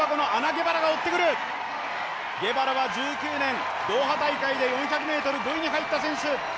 ゲバラは１９年、ドーハ大会で４００ｍ５位に入った選手。